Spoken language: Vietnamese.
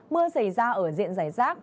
mưa xảy ra ở diện rải rác